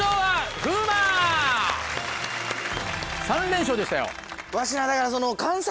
３連勝でしたよ。